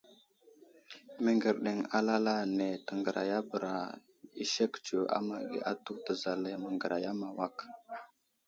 Məŋgerdeŋ alal ane təŋgərayabəra i sek tsiyo a ma age atu təzalay məŋgəraya ma awak.